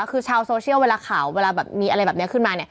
คือชาวโซเชียลเวลาข่าวเวลาแบบมีอะไรแบบนี้ขึ้นมา